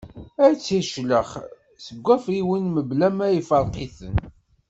Ad t-iclex seg wafriwen mebla ma iferq-iten.